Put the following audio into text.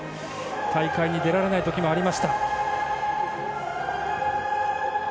大会に出られない時もありました。